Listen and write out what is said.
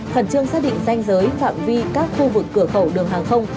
khẩn trương xác định danh giới phạm vi các khu vực cửa khẩu đường hàng không